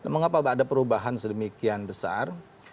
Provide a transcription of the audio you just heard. mengapa ada perubahan sedemikian besar